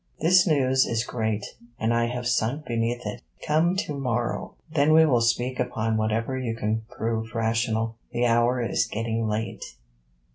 This news is great, and I have sunk beneath it. Come tomorrow. Then we will speak upon whatever you can prove rational. The hour is getting late.'